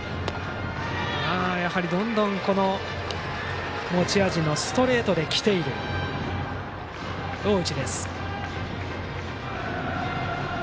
やはり、どんどん持ち味のストレートできている大内。